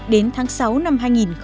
đến tháng sáu năm hai nghìn một mươi sáu